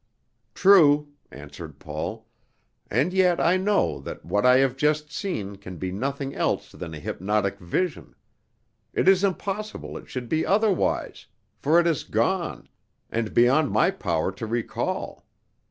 "True," answered Paul; "and yet I know that what I have just seen can be nothing else than a hypnotic vision; it is impossible it should be otherwise, for it has gone and beyond my power to recall.